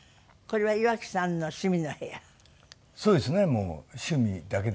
もう趣味だけですね。